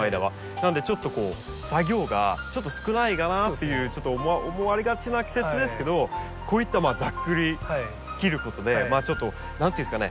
なのでちょっとこう作業がちょっと少ないかなっていうちょっと思われがちな季節ですけどこういったざっくり切ることでちょっと何て言うんですかね